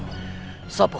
aku setan kober